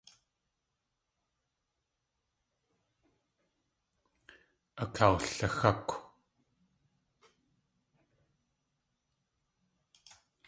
Akawlixákw.